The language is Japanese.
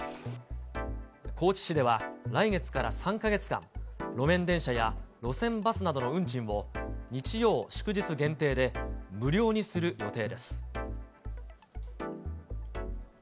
高知市では来月から３か月間、路面電車や路線バスなどの運賃を、日曜・祝日限定で無料にする予定です。